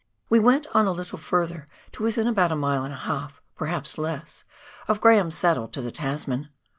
We went on a little further to within about a mile and a half — perhaps less — of Graham's Saddle, to the Tasman.